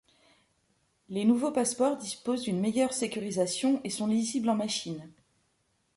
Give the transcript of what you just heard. Les nouveaux passeports disposent d'une meilleure sécurisation et sont lisibles en machine.